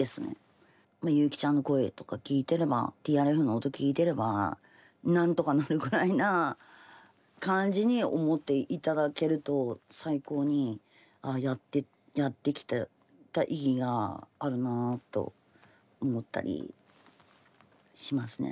ＹＵ−ＫＩちゃんの声とか聴いてればＴＲＦの音聴いてれば何とかなるぐらいな感じに思って頂けると最高にああやってきた意義があるなと思ったりしますね。